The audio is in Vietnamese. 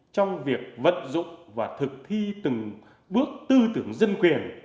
trong việc vận dụng và thực thi từng bước tư tưởng dân quyền